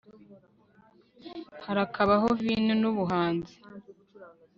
harakabaho vino n'ubuhanzi